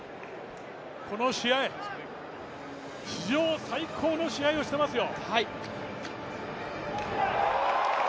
この試合、史上最高の試合をしていますよ。